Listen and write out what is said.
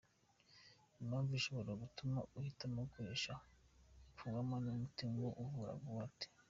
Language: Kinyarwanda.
Impamvu ishobora gutuma uhitamo gukoresha puwaro nk’umuti nyawo uvura goutte.